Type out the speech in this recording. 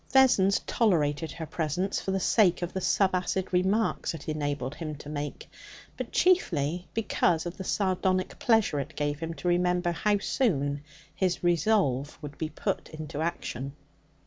Vessons tolerated her presence for the sake of the subacid remarks it enabled him to make, but chiefly because of the sardonic pleasure it gave him to remember how soon his resolve would be put into action.